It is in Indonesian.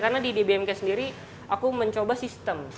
karena di bmk sendiri aku mencoba sistem